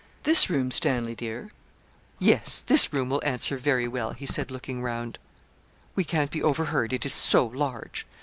'This room, Stanley, dear?' 'Yes, this room will answer very well,' he said, looking round. 'We can't be overheard, it is so large.